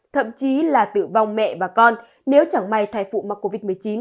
thậm chí là tử vong mẹ và con nếu chẳng may thai phụ mắc covid một mươi chín